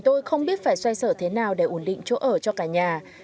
với nhân dân